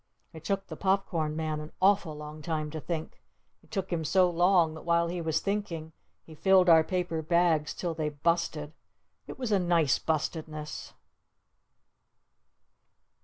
It took the Pop Corn Man an awful long time to think! It took him so long that while he was thinking he filled our paper bags till they busted! It was a nice bustedness!